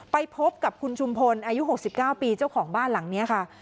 ไปพบกับคุณชุมพลอายุ๖๙ปีเจ้าของบ้านหลังนี้ค่ะ